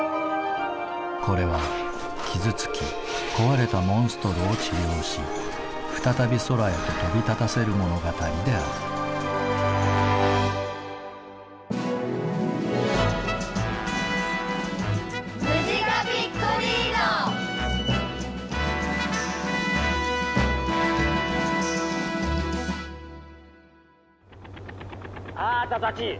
これは傷つき壊れたモンストロを治療し再び空へと飛び立たせる物語であるあたたち！